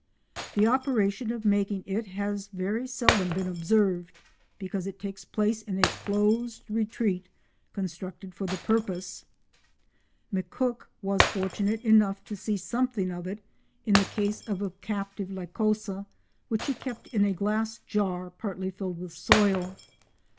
The operation of making it has very seldom been observed, because it takes place in a closed retreat constructed for the purpose. McCook was fortunate enough to see something of it in the case of a captive Lycosa which he kept in a glass jar partly filled with soil.